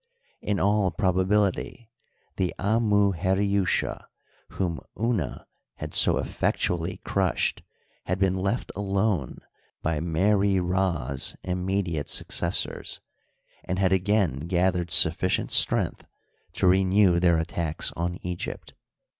In all probability the Amu Heriusha whom Una had so effectually crushed had been left alone by Meri Ras immediate successors, and had again gathered sufficient strength to renew their attacks on Egypt.